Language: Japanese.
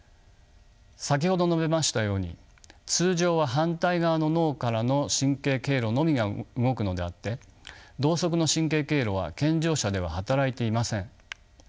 先ほど述べましたように通常は反対側の脳からの神経経路のみが動くのであって同側の神経経路は健常者では働いていません。